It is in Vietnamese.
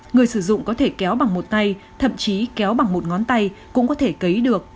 người sử dụng có thể kéo bằng một tay thậm chí kéo bằng một ngón tay cũng có thể cấy được